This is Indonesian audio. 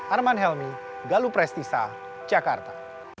arman helmi galup restisa jakarta